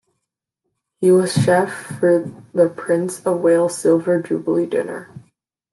He was chef for the Prince of Wales' Silver Jubilee dinner.